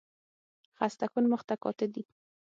خسته کن مخ ته کاته دي